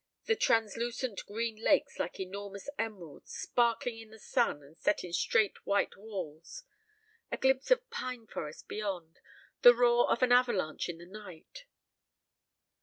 The translucent green lakes like enormous emeralds, sparkling in the sun and set in straight white walls. A glimpse of pine forest beyond. The roar of an avalanche in the night."